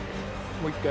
もう１回？